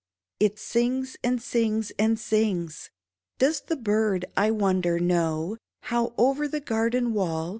It sings and sings and sings ! Does the bird, I wonder, know How, over the garden wall.